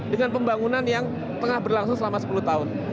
dengan pembangunan yang tengah berlangsung selama sepuluh tahun